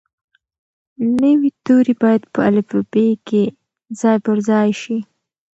نوي توري باید په الفبې کې ځای پر ځای شي.